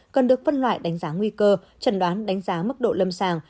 cần được phân loại đánh giá nguy cơ trần đoán đánh giá mức độ lâm sàng